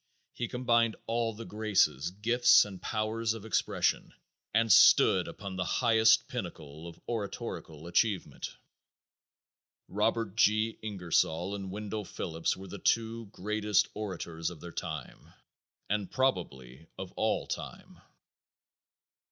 He combined all the graces, gifts and powers of expression, and stood upon the highest pinnacle of oratorical achievement. Robert G. Ingersoll and Wendell Phillips were the two greatest orators of their time, and probably of all time.